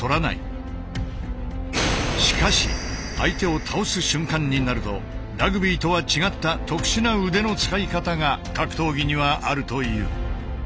しかし相手を倒す瞬間になるとラグビーとは違った特殊な腕の使い方が格闘技にはあるという。